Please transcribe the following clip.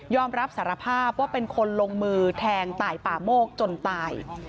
รับสารภาพว่าเป็นคนลงมือแทงตายป่าโมกจนตาย